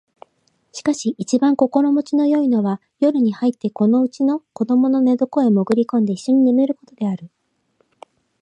しかし一番心持ちの好いのは夜に入ってここのうちの子供の寝床へもぐり込んで一緒に寝る事である